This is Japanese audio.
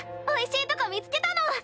おいしいとこ見つけたの。